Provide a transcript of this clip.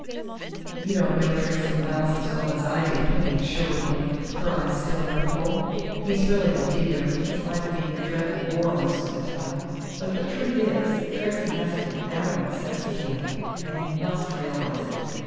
"You don't know Tracey Miles as well as I do," Penny assured him, her eyes still mirthful. "He's really a dear, in spite of being a dreadful bore most of the time, but the truth is, Tracey hasn't an atom of sex appeal, and he must realize it....